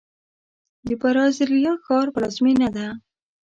د برازیلیا ښار پلازمینه ده.